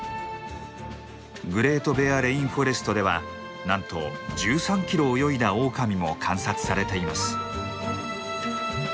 グレート・ベア・レインフォレストではなんと１３キロ泳いだオオカミも観察されています。